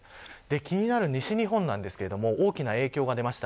気になる西日本なんですが大きな影響が出ました。